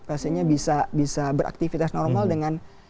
pasiennya bisa beraktivitas normal dengan